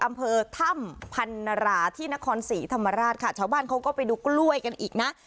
อำเภอถ้ำพันราที่นครศรีธรรมราชค่ะชาวบ้านเขาก็ไปดูกล้วยกันอีกนะ